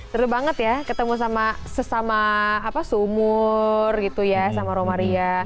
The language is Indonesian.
seru banget ya ketemu sama sesama seumur gitu ya sama romaria